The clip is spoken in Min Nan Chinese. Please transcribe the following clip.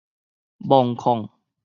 墓壙